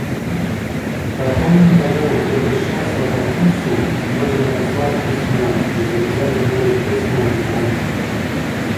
Потом тому, кто пришелся по вкусу, можно послать письмо и завязать более тесное знакомство.